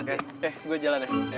oke gue jalan ya